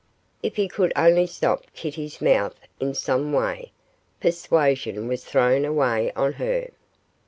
If he could only stop Kitty's mouth in some way persuasion was thrown away on her.